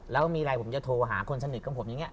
แล้วมีอะไรผมจะโทรหาคนสนิทของผมอย่างนี้